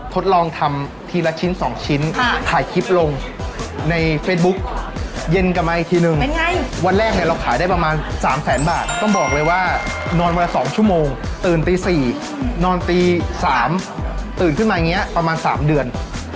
ทดลองทำทีละชิ้น๒ชิ้นถ่ายคลิปลงในเฟซบุ๊กเย็นกลับมาอีกทีนึงวันแรกเนี่ยเราขายได้ประมาณ๓แสนบาทต้องบอกเลยว่านอนวันละ๒ชั่วโมงตื่นตี๔นอนตี๓ตื่นขึ้นมาอย่างนี้ประมาณ๓เดือน